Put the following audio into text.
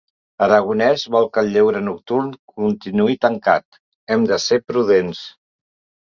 Aragonès vol que el lleure nocturn continuï tancat: “Hem de ser prudents”